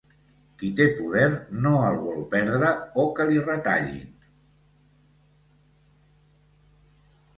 Qui té poder no el vol perdre o que li retallin.